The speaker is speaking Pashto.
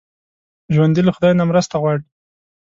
ژوندي له خدای نه مرسته غواړي